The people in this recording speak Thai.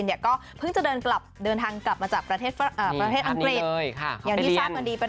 เนี่ยก็พึ่งจะเดินกลับเดินทางกลับมาจากประเทศอังกฤษ